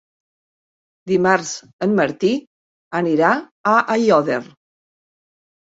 Dimarts en Martí anirà a Aiòder.